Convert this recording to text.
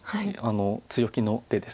強気の手です。